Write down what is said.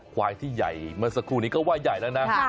ควายที่ใหญ่เมื่อสักครู่นี้ก็ว่าใหญ่แล้วนะ